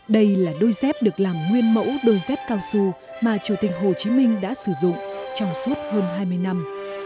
đây là đôi dép được làm nguyên mẫu đôi dép cao su mà chủ tịch hồ chí minh đã sử dụng trong suốt hơn hai mươi năm